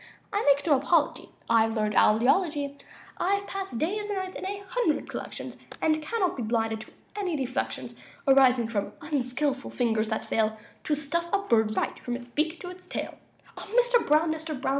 I make no apology; I've learned owl eology. I've passed days and nights in a hundred collections, And can not be blinded to any deflections Arising from unskilful fingers that fail To stuff a bird right, from his beak to his tail. Mister Brown! Mister Brown!